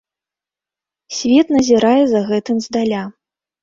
Свет назірае за гэтым здаля.